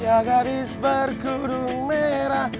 dia gadis bergudung merah